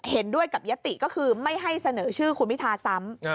เห็นด้วยกับยติก็คือไม่ให้เสนอชื่อคุณพิธาซ้ำ